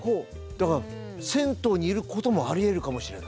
だから銭湯にいることもありえるかもしれない。